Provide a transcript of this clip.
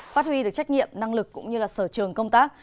phát huy được trách nhiệm năng lực cũng như sở trường công tác